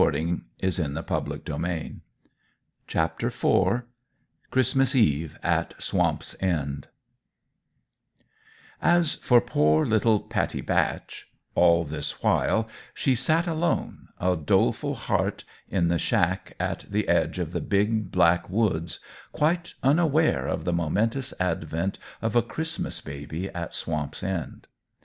Amen._" Amen, indeed! CHRISTMAS EVE AT SWAMP'S END As for poor little Pattie Batch, all this while, she sat alone, a doleful heart, in the shack at the edge of the big, black woods, quite unaware of the momentous advent of a Christmas baby at Swamp's End.